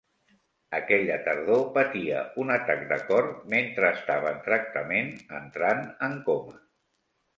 Aquella tardor, patia un atac de cor mentre estava en tractament, entrant en coma.